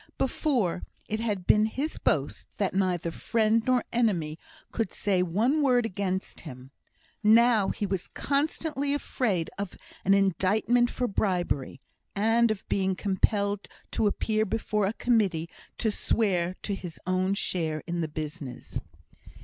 Before, it had been his boast that neither friend nor enemy could say one word against him; now, he was constantly afraid of an indictment for bribery, and of being compelled to appear before a Committee to swear to his own share in the business.